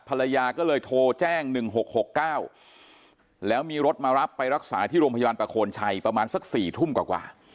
ภรรยาก็เลยโทรแจ้ง๑๖๖๙แล้วมีรถมารับไปรักษาที่โรงพยาบาลประโคนชัยประมาณสัก๔ทุ่มกว่า